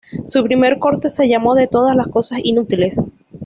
Su primer corte se llamó "De todas las cosas inútiles".